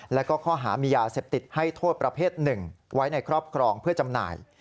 แล้วก็ข้อหามียาเสพติดให้โทษประเภทหนึ่งไว้ในครอบครองเพื่อจำหน่าย